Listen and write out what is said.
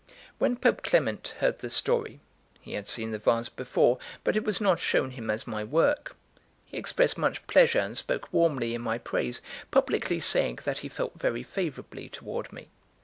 XXV WHEN Pope Clement heard the story he had seen the vase before, but it was not shown him as my work he expressed much pleasure and spoke warmly in my praise, publicly saying that he felt very favourably toward me.